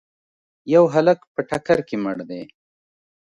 یو هلک په ټکر کي مړ دی.